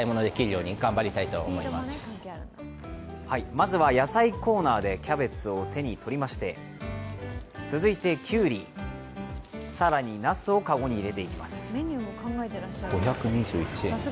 まずは野菜コーナーでキャベツを手に取りまして続いてきゅうり、更になすを籠に入れていきます。